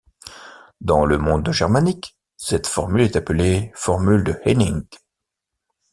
Dans le monde germanique, cette formule est appelée formule de Hennig.